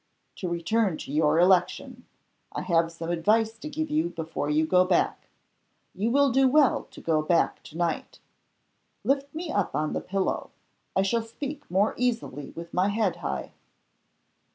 To return to your election. I have some advice to give you before you go back. You will do well to go back to night. Lift me up on the pillow. I shall speak more easily with my head high."